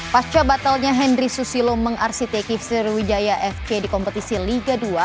pasca batalnya henry susilo mengarsiteki sriwijaya fc di kompetisi liga dua